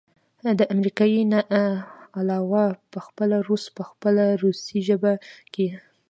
د امريکې نه علاوه پخپله روس په خپله روسۍ ژبه کښې